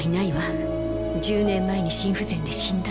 １０年前に心不全で死んだの。